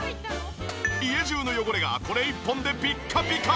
家中の汚れがこれ一本でピッカピカ！